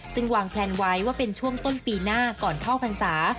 ซึ่งวางแพลนไว้ว่าเป็นช่วงต้นปีหน้าก่อนเข้าพรรษา